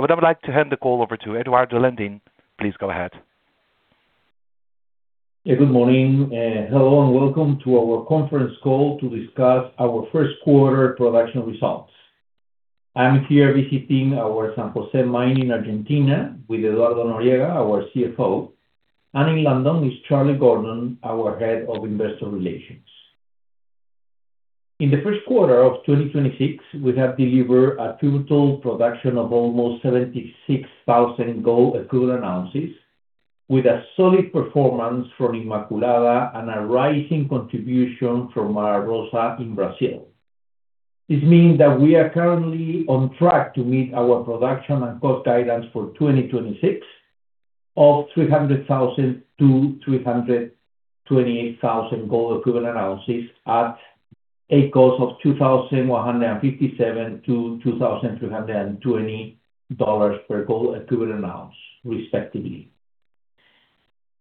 I would now like to hand the call over to Eduardo Landin. Please go ahead. Good morning, and hello, and welcome to our conference call to discuss our first quarter production results. I'm here visiting our San José mine in Argentina with Eduardo Noriega, our CFO, and in London with Charles Gordon, our Head of Investor Relations. In the first quarter of 2026, we have delivered a total production of almost 76,000 gold equivalent ounces, with a solid performance from Inmaculada and a rising contribution from Mara Rosa in Brazil. This means that we are currently on track to meet our production and cost guidance for 2026 of 300,000-328,000 gold equivalent ounces at a cost of $2,157-$2,320 per gold equivalent ounce respectively.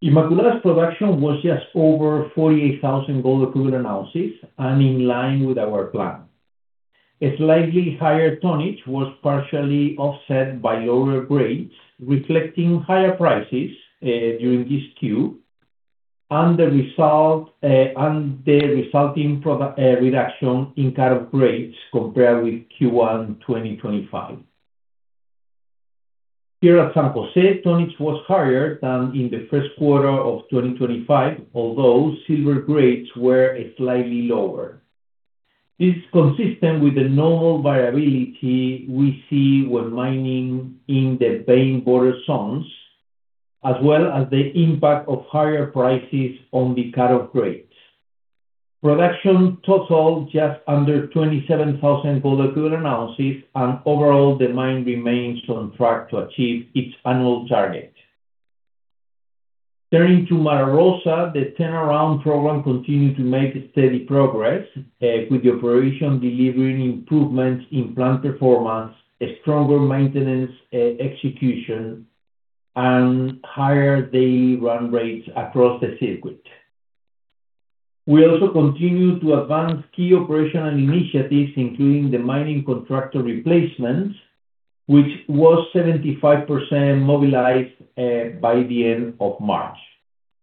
Inmaculada's production was just over 48,000 gold equivalent ounces and in line with our plan. A slightly higher tonnage was partially offset by lower grades, reflecting higher prices during this Q, and the resulting reduction in cut-off grades compared with Q1 2025. Here at San José, tonnage was higher than in the first quarter of 2025, although silver grades were slightly lower. This is consistent with the normal variability we see when mining in the vein border zones, as well as the impact of higher prices on the cut-off grades. Production totaled just under 27,000 gold equivalent ounces, and overall, the mine remains on track to achieve its annual target. Turning to Mara Rosa, the turnaround program continued to make steady progress, with the operation delivering improvements in plant performance, stronger maintenance execution, and higher daily run rates across the circuit. We also continued to advance key operational initiatives, including the mining contractor replacements, which was 75% mobilized by the end of March.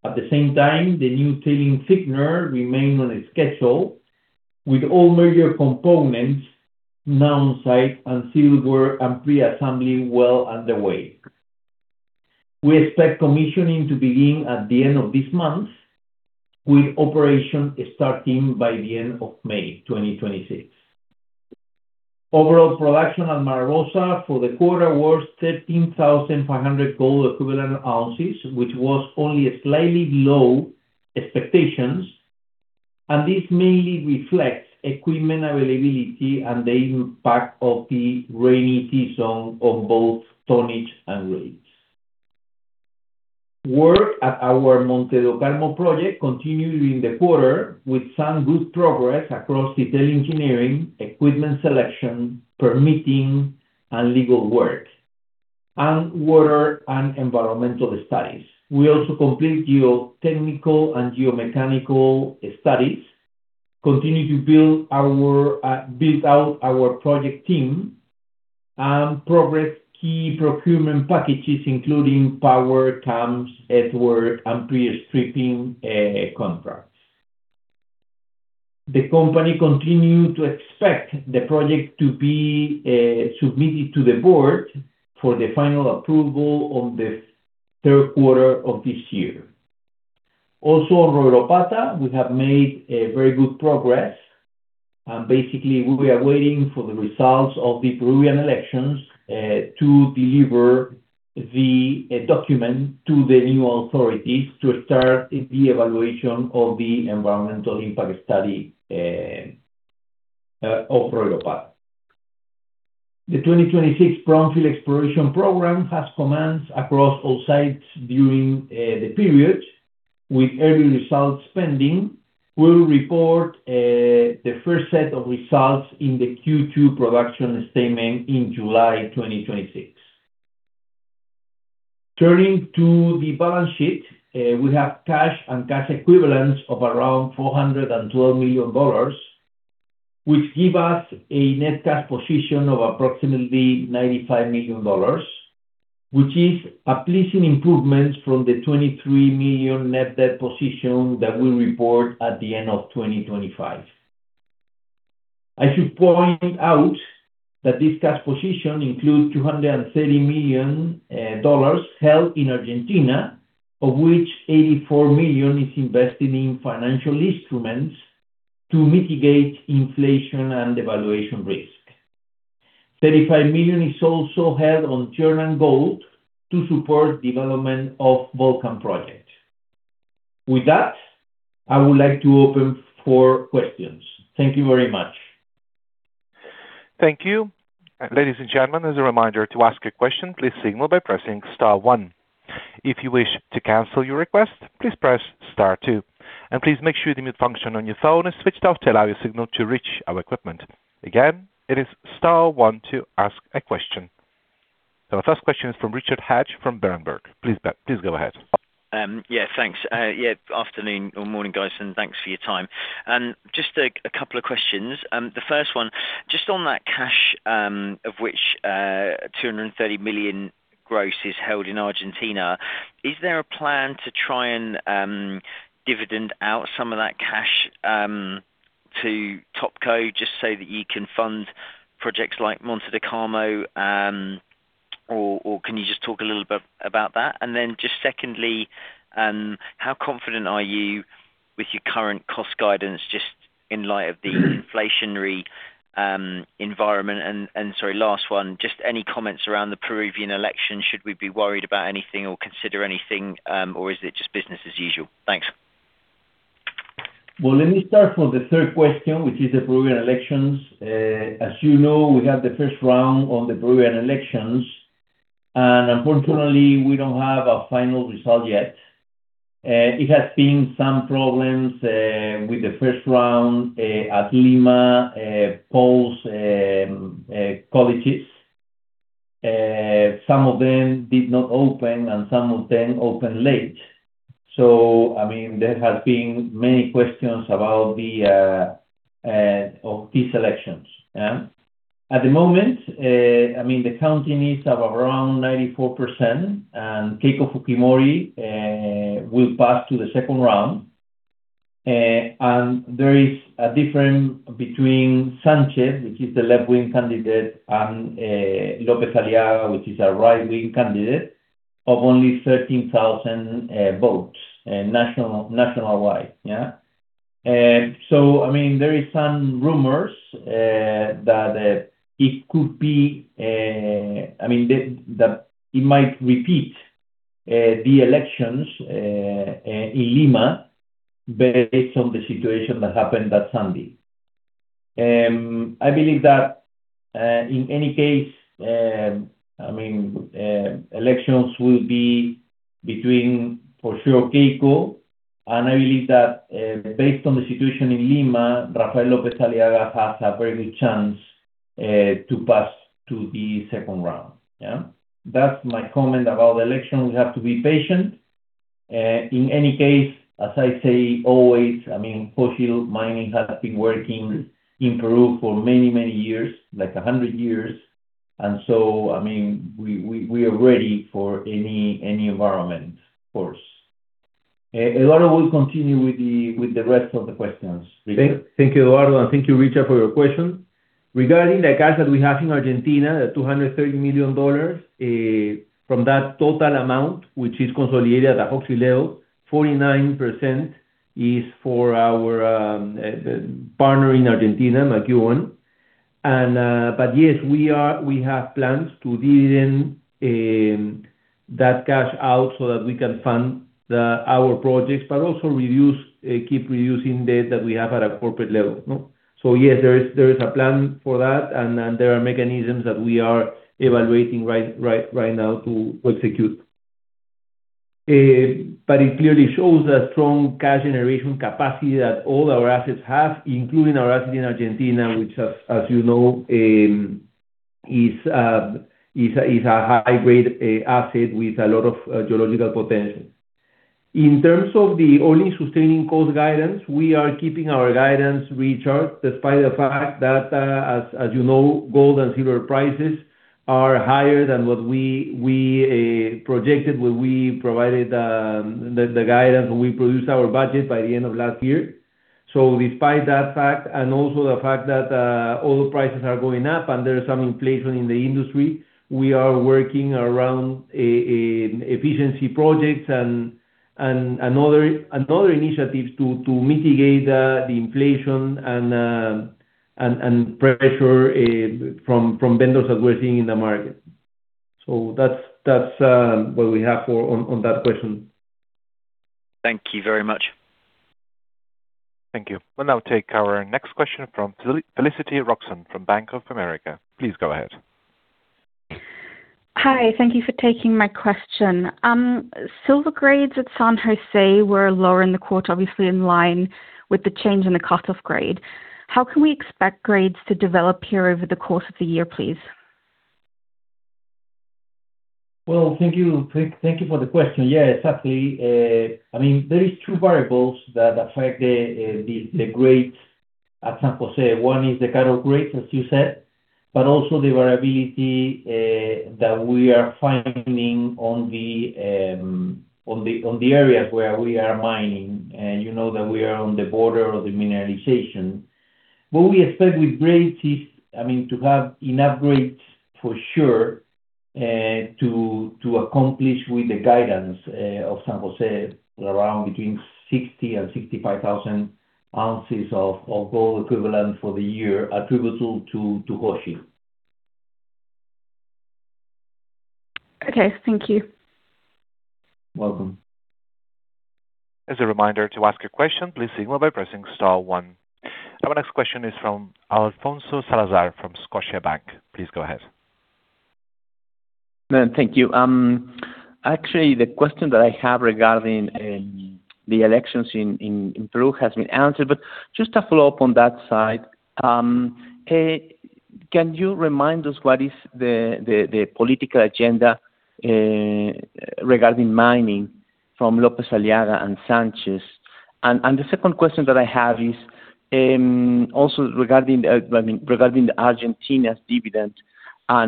At the same time, the new tailings thickener remained on schedule, with all major components now on-site and field work and pre-assembly well underway. We expect commissioning to begin at the end of this month, with operation starting by the end of May 2026. Overall production at Mara Rosa for the quarter was 13,500 gold equivalent ounces, which was only slightly below expectations, and this mainly reflects equipment availability and the impact of the rainy season on both tonnage and grades. Work at our Monte do Carmo project continued during the quarter, with some good progress across detailed engineering, equipment selection, permitting, and legal work, and water and environmental studies. We also completed geotechnical and geomechanical studies, continued to build out our project team, and progressed key procurement packages, including power, camps, earthwork, and pre-stripping contracts. The company continued to expect the project to be submitted to the board for the final approval on the third quarter of this year. Royropata, we have made very good progress, and basically, we are waiting for the results of the Peruvian elections to deliver the document to the new authorities to start the evaluation of the environmental impact study of Royropata. The 2026 brownfield exploration program has commenced across all sites during the period, with early results pending. We'll report the first set of results in the Q2 production statement in July 2026. Turning to the balance sheet, we have cash and cash equivalents of around $412 million, which give us a net cash position of approximately $95 million, which is a pleasing improvement from the $23 million net debt position that we reported at the end of 2025. I should point out that this cash position includes $230 million held in Argentina, of which $84 million is invested in financial instruments to mitigate inflation and devaluation risk. $35 million is also held in cash and gold to support development of Volcan Project. With that, I would like to open for questions. Thank you very much. Our first question is from Richard Hatch from Berenberg. Please go ahead. Yeah. Thanks. Yeah. Afternoon or morning, guys, and thanks for your time. Just a couple of questions. The first one, just on that cash, of which $230 million gross is held in Argentina, is there a plan to try and dividend out some of that cash to top co just so that you can fund projects like Monte do Carmo? Or can you just talk a little bit about that? Then just secondly, how confident are you with your current cost guidance just in light of the inflationary environment? Sorry, last one, just any comments around the Peruvian election. Should we be worried about anything or consider anything, or is it just business as usual? Thanks. Well, let me start from the third question, which is the Peruvian elections. As you know, we had the first round of the Peruvian elections, and unfortunately we don't have a final result yet. It has been some problems with the first round at Lima polling colleges. Some of them did not open and some of them opened late. I mean, there has been many questions about these elections. At the moment, the counting is of around 94%, and Keiko Fujimori will pass to the second round. There is a difference between Sánchez, which is the left-wing candidate, and López Aliaga, which is a right-wing candidate, of only 13,000 votes nationwide. Yeah. I mean, there is some rumors that it might repeat the elections in Lima based on the situation that happened that Sunday. I believe that, in any case, elections will be between, for sure, Keiko. I believe that, based on the situation in Lima, Rafael López Aliaga has a very good chance to pass to the second round. Yeah. That's my comment about the election. We have to be patient. In any case, as I say always, Hochschild Mining has been working in Peru for many, many years, like 100 years. We are ready for any environment, of course. Eduardo will continue with the rest of the questions. Richard. Thank you, Eduardo, and thank you, Richard, for your question. Regarding the cash that we have in Argentina, the $230 million, from that total amount, which is consolidated at a Hochschild level, 49% is for our partner in Argentina, McEwen. Yes, we have plans to deal in that cash out so that we can fund our projects, but also keep reducing debt that we have at a corporate level. Yes, there is a plan for that, and there are mechanisms that we are evaluating right now to execute. It clearly shows the strong cash generation capacity that all our assets have, including our asset in Argentina, which as you know, is a high-grade asset with a lot of geological potential. In terms of the all-in sustaining cost guidance, we are keeping our guidance, Richard, despite the fact that, as you know, gold and silver prices are higher than what we projected when we provided the guidance when we produced our budget by the end of last year. Despite that fact, and also the fact that oil prices are going up and there is some inflation in the industry, we are working around efficiency projects and other initiatives to mitigate the inflation and pressure from vendors that we're seeing in the market. That's what we have on that question. Thank you very much. Thank you. We'll now take our next question from Felicity Robson from Bank of America. Please go ahead. Hi. Thank you for taking my question. Silver grades at San José were lower in the quarter, obviously in line with the change in the cut-off grade. How can we expect grades to develop here over the course of the year, please? Well, thank you for the question. Yeah, exactly. There is two variables that affect the grades at San José. One is the cut-off grade, as you said, but also the variability that we are finding on the areas where we are mining. You know that we are on the border of the mineralization. What we expect with grades is to have enough grades for sure to accomplish with the guidance of San José, around between 60,000 and 65,000 ounces of gold equivalent for the year attributable to Hochschild. Okay. Thank you. Welcome. As a reminder, to ask a question, please signal by pressing star one. Our next question is from Alfonso Salazar from Scotiabank. Please go ahead. Thank you. Actually, the question that I have regarding the elections in Peru has been answered, just to follow up on that side. Can you remind us what is the political agenda regarding mining from López Aliaga and Sánchez? And the second question that I have is also regarding the Argentina's dividend. Are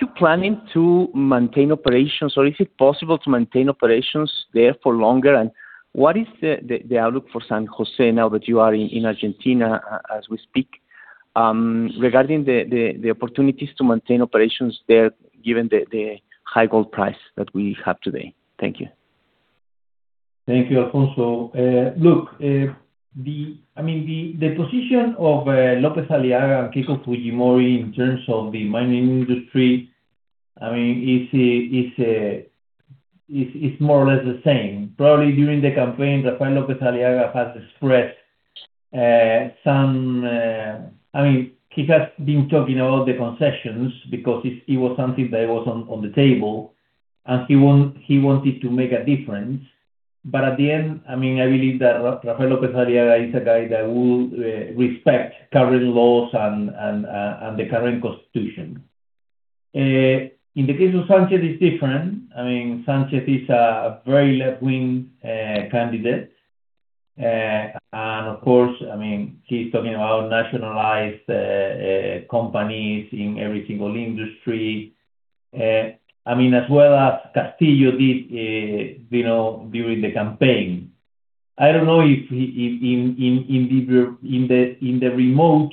you planning to maintain operations, or is it possible to maintain operations there for longer? And what is the outlook for San José now that you are in Argentina as we speak regarding the opportunities to maintain operations there given the high gold price that we have today? Thank you. Thank you, Alfonso. Look, the position of López Aliaga and Keiko Fujimori in terms of the mining industry, it's more or less the same. Probably during the campaign, Rafael López Aliaga has expressed some. He has been talking about the concessions because it was something that was on the table, and he wanted to make a difference. At the end, I believe that Rafael López Aliaga is a guy that would respect current laws and the current constitution. In the case of Sánchez, it's different. Sánchez is a very left-wing candidate. Of course, he's talking about nationalized companies in every single industry, as well as Castillo did during the campaign. I don't know if in the remote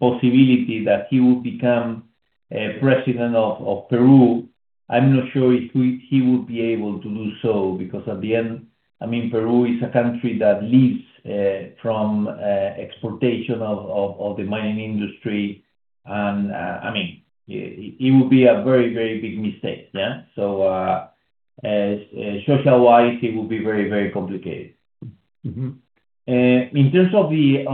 possibility that he would become president of Peru, I'm not sure if he would be able to do so. Because at the end, Peru is a country that lives from exportation of the mining industry, and it would be a very, very big mistake, yeah? Social-wise, it will be very, very complicated. Mm-hmm. In terms of the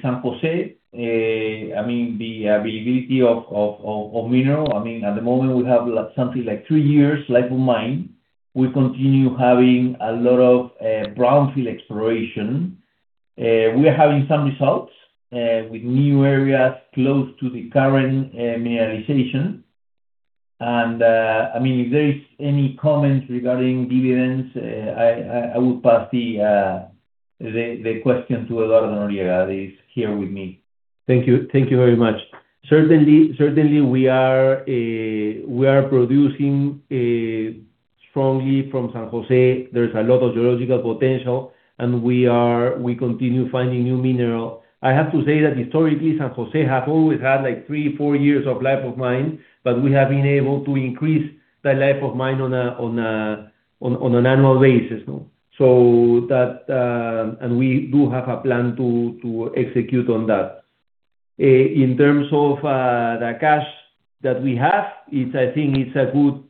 San José, the availability of mineral, at the moment, we have something like three years life of mine. We continue having a lot of brownfield exploration. We are having some results with new areas close to the current mineralization. If there is any comments regarding dividends, I would pass the question to Eduardo Noriega that is here with me. Thank you. Thank you very much. Certainly, we are producing strongly from San José. There's a lot of geological potential, and we continue finding new mineral. I have to say that historically, San Jose have always had three to four years of life of mine, but we have been able to increase the life of mine on an annual basis. We do have a plan to execute on that. In terms of the cash that we have, I think it's a good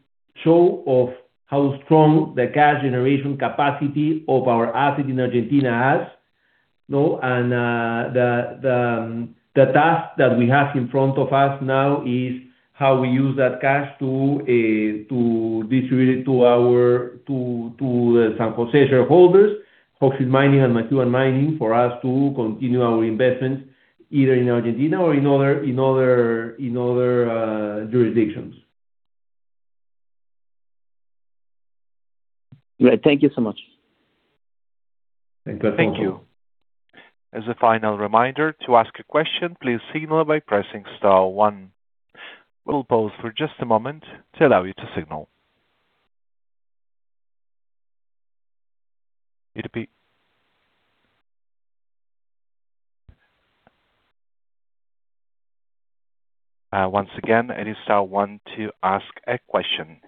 show of how strong the cash generation capacity of our asset in Argentina has. The task that we have in front of us now is how we use that cash to distribute it to San José shareholders, Hochschild Mining and McEwen Mining, for us to continue our investments either in Argentina or in other jurisdictions. Great. Thank you so much. Thank you, Alfonso. Thank you. As a final reminder, to ask a question, please signal by pressing star one. We'll pause for just a moment to allow you to signal. Once again, it is star one to ask a question.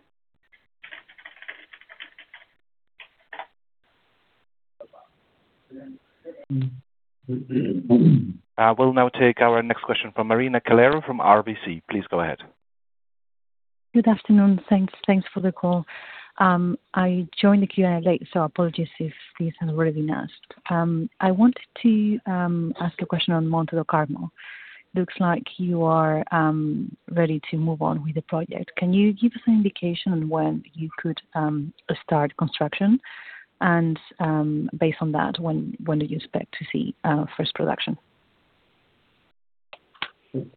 We'll now take our next question from Marina Calero from RBC. Please go ahead. Good afternoon. Thanks for the call. I joined the Q&A late, so apologies if this has already been asked. I wanted to ask a question on Monte do Carmo. Looks like you are ready to move on with the project. Can you give us an indication on when you could start construction? Based on that, when do you expect to see first production?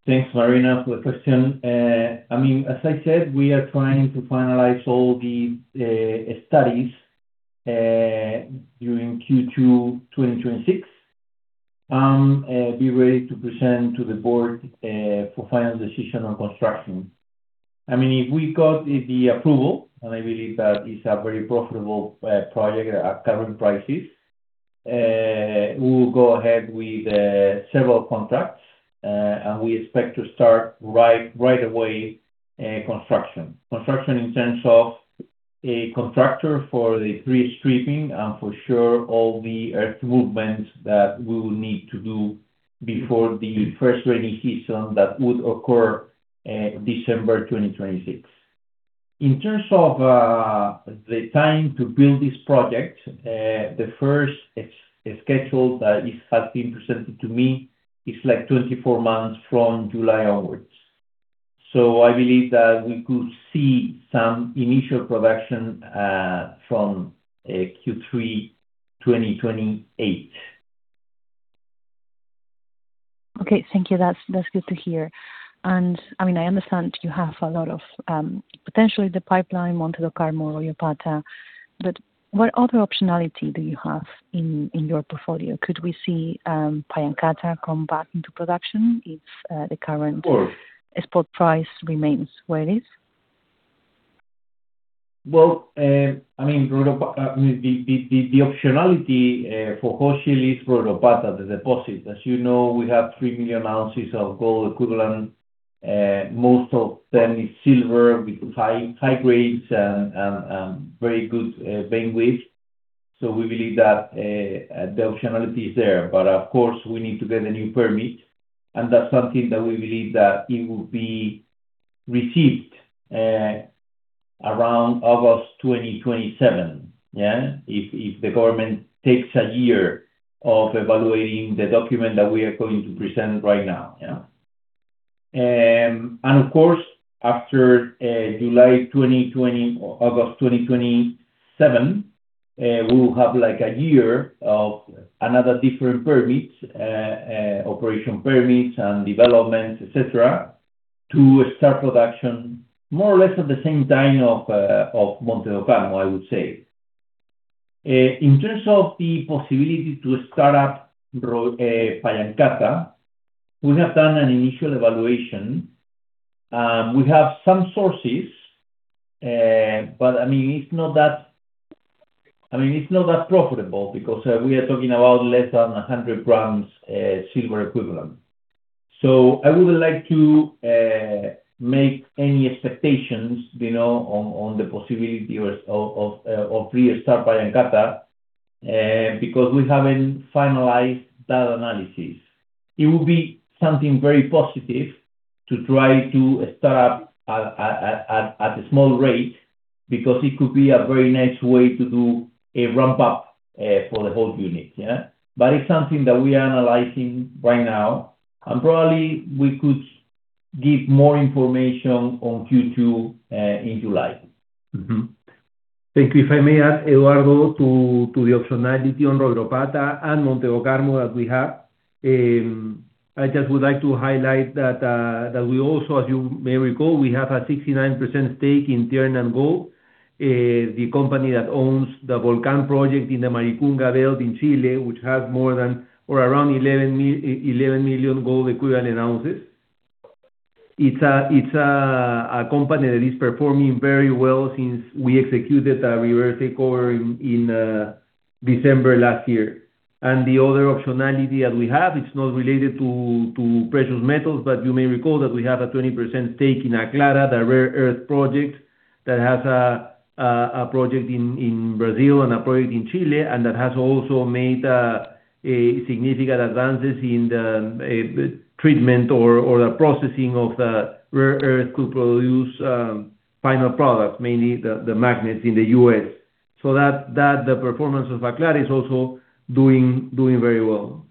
Thanks, Marina, for the question. As I said, we are trying to finalize all the studies, during Q2 2026, and be ready to present to the board, for final decision on construction. If we got the approval, and I believe that it's a very profitable project at current prices, we will go ahead with several contracts, and we expect to start right away construction in terms of a contractor for the pre-stripping and for sure all the earth movements that we will need to do before the first rainy season that would occur December 2026. In terms of the time to build this project, the first schedule that has been presented to me is 24 months from July onwards. I believe that we could see some initial production from Q3 2028. Okay, thank you. That's good to hear. I understand you have a lot of potential in the pipeline, Monte do Carmo or Royropata, but what other optionality do you have in your portfolio? Could we see Pallancata come back into production if the current? Well Spot price remains where it is? Well, the optionality for Hochschild is Royropata, the deposit. As you know, we have 3 million gold equivalent ounces. Most of them is silver with high grades and very good vein width. We believe that the optionality is there. Of course, we need to get a new permit, and that's something that we believe that it will be received around August 2027, if the government takes a year of evaluating the document that we are going to present right now. Of course, after July 2026 or August 2027, we will have like a year of another different permits, operation permits and developments, etcetera, to start production more or less at the same time of Monte do Carmo, I would say. In terms of the possibility to start up Pallancata, we have done an initial evaluation. We have some sources, but it's not that profitable because we are talking about less than 100 grams silver equivalent. I wouldn't like to make any expectations on the possibility of restart Pallancata, because we haven't finalized that analysis. It would be something very positive to try to start up at a small rate because it could be a very nice way to do a ramp up for the whole unit. It's something that we are analyzing right now, and probably we could give more information on Q2, in July. Thank you. If I may add, Eduardo, to the optionality on Royropata and Monte do Carmo that we have, I just would like to highlight that we also, as you may recall, we have a 69% stake in Tiernan Gold, the company that owns the Volcan project in the Maricunga belt in Chile, which has more than or around 11 million gold equivalent ounces. It's a company that is performing very well since we executed a reverse takeover in December last year. The other optionality that we have, it's not related to precious metals, but you may recall that we have a 20% stake in Aclara, the rare earth project that has a project in Brazil and a project in Chile, and that has also made significant advances in the treatment or the processing of the rare earths to produce final products, mainly the magnets in the U.S. The performance of Aclara is also doing very well.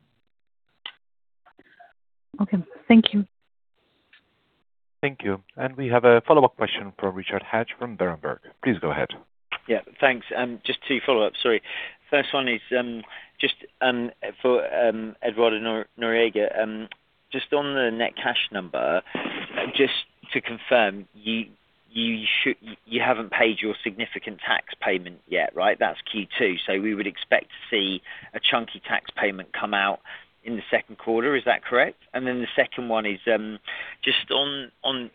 Okay. Thank you. Thank you. We have a follow-up question from Richard Hatch from Berenberg. Please go ahead. Yeah. Thanks. Just two follow-ups. Sorry. First one is just, for Eduardo Noriega, just on the net cash number, just to confirm, you haven't paid your significant tax payment yet, right? That's Q2. So we would expect to see a chunky tax payment come out in the second quarter. Is that correct? Then the second one is just on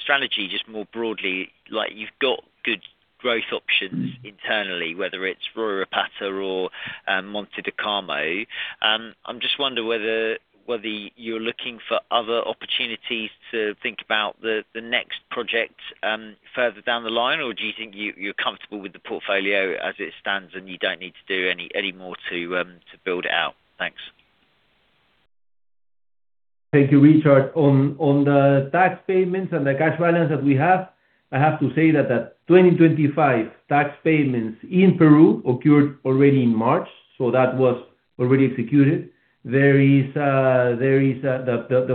strategy, just more broadly, you've got good growth options internally, whether it's Royropata or Monte do Carmo. I'm just wondering whether you're looking for other opportunities to think about the next project further down the line, or do you think you're comfortable with the portfolio as it stands and you don't need to do any more to build it out? Thanks. Thank you, Richard. On the tax payments and the cash balance that we have, I have to say that the 2025 tax payments in Peru occurred already in March, so that was already executed. The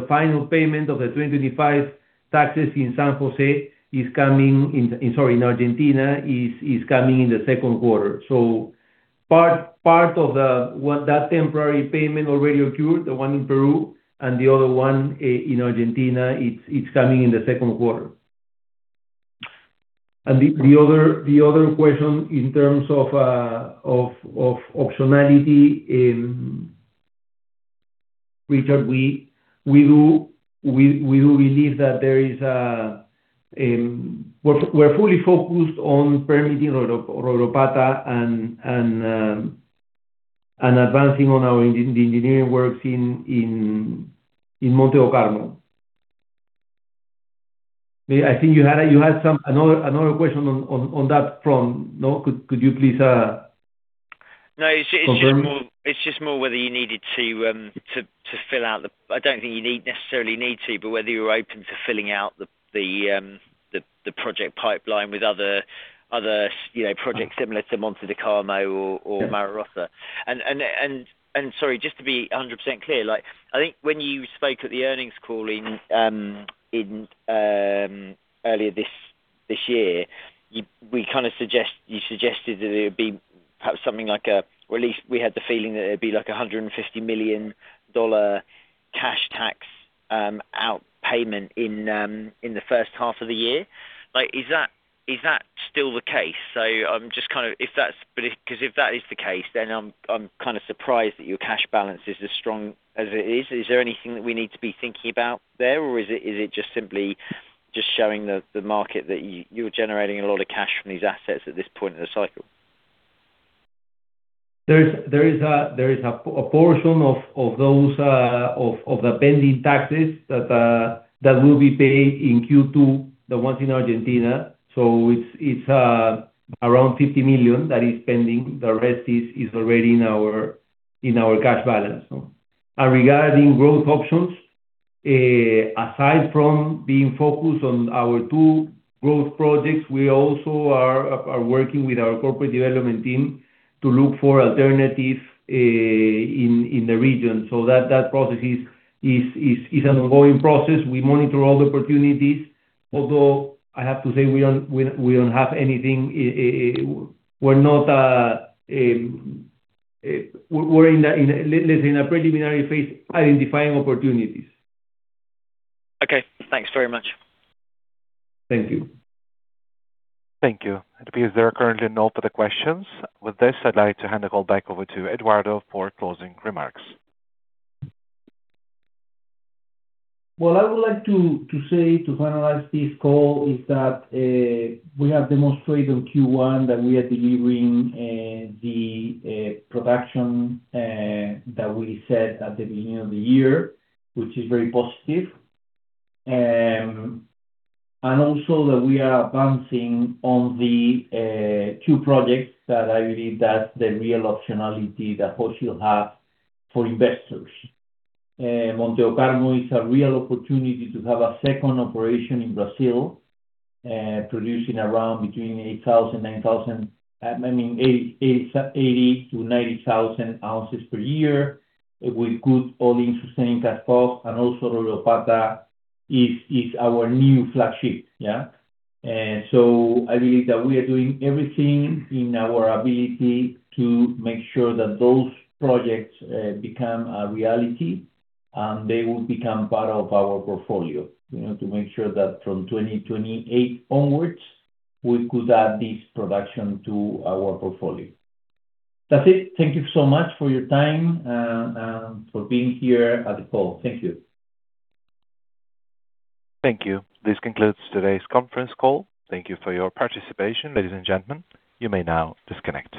final payment of the 2025 taxes in Argentina is coming in the second quarter. Part of that temporary payment already occurred, the one in Peru, and the other one in Argentina is coming in the second quarter. The other question in terms of optionality, Richard, we do believe that there is. We're fully focused on permitting Royropata and advancing on our engineering works in Monte do Carmo. I think you had another question on that front, no? Could you please confirm? No, it's just more whether you needed to fill out. I don't think you necessarily need to, but whether you're open to filling out the project pipeline with other projects similar to Monte do Carmo or Mara Rosa. Sorry, just to be 100% clear, I think when you spoke at the earnings call earlier this year, you suggested that it would be perhaps something like, or at least we had the feeling that it'd be like $150 million cash tax out payment in the first half of the year. Is that still the case? I'm just kind of, because if that is the case, then I'm kind of surprised that your cash balance is as strong as it is. Is there anything that we need to be thinking about there, or is it just simply just showing the market that you're generating a lot of cash from these assets at this point in the cycle? There is a portion of the pending taxes that will be paid in Q2, the ones in Argentina. It's around $50 million that is pending. The rest is already in our cash balance. Regarding growth options, aside from being focused on our two growth projects, we also are working with our corporate development team to look for alternatives in the region. That process is an ongoing process. We monitor all the opportunities. Although, I have to say we don't have anything. We're in a preliminary phase, identifying opportunities. Okay. Thanks very much. Thank you. Thank you. It appears there are currently no further questions. With this, I'd like to hand the call back over to Eduardo for closing remarks. What I would like to say to finalize this call is that we have demonstrated in Q1 that we are delivering the production that we set at the beginning of the year, which is very positive. Also that we are advancing on the two projects that I believe that's the real optionality that Hochschild have for investors. Monte do Carmo is a real opportunity to have a second operation in Brazil, producing around between 80,000, 90,000, I mean, 80,000 to 90,000 ounces per year with good all-in sustaining cost. Also, Royropata is our new flagship. Yeah? I believe that we are doing everything in our ability to make sure that those projects become a reality and they will become part of our portfolio, to make sure that from 2028 onwards, we could add this production to our portfolio. That's it. Thank you so much for your time and for being here at the call. Thank you. Thank you. This concludes today's conference call. Thank you for your participation, ladies and gentlemen. You may now disconnect.